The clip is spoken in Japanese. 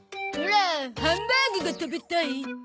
オラハンバーグが食べたい。